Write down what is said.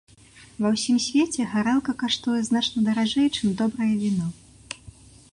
Ва ўсім свеце гарэлка каштуе значна даражэй, чым добрае віно.